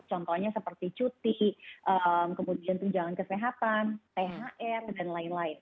contohnya seperti cuti kemudian tunjangan kesehatan thr dan lain lain